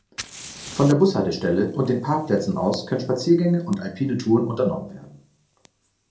Von der Bushaltestelle und den Parkplätzen aus können Spaziergänge und alpine Touren unternommen werden.